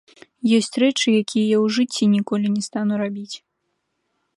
Ёсць рэчы, якія я ў жыцці ніколі не стану рабіць.